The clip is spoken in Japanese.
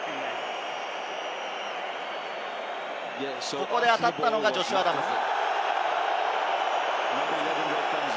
ここで当たったのがジョシュ・アダムズ。